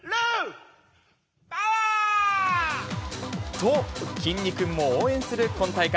と、きんに君も応援する今大会。